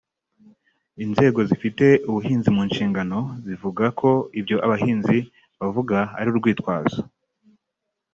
Inzego zifite ubuhinzi mu nshingano zivuga ko ibyo abahinzi bavuga ari urwitwazo